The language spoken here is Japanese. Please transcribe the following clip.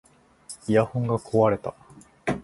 イヤホンが壊れた